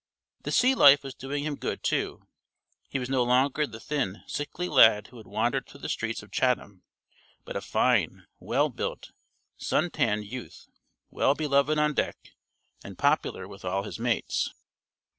The sea life was doing him good, too. He was no longer the thin, sickly lad who had wandered through the streets of Chatham, but a fine, well built, sun tanned youth, well beloved on deck and popular with all his mates.